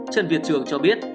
trần việt trường cho biết